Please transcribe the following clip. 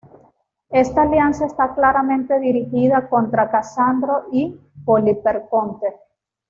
Esta alianza está claramente dirigida contra Casandro y Poliperconte.